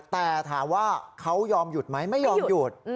แต่ถามว่าเขายอมหยุดไหมไม่ยอมหยุด